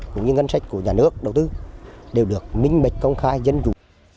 cũng như ngân sách của nhà nước đầu tư đều được minh mệch công khai dân chủ